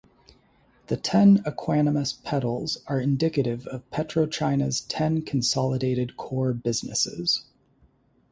The ten equanimous petals are indicative of PetroChina's ten consolidated core businesses.